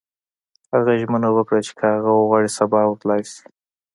هغه ژمنه وکړه چې که هغه وغواړي سبا ورتلای شي